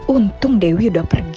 untung dewi udah pulang